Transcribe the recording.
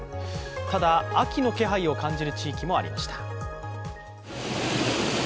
ただ、秋の気配を感じる地域もありました。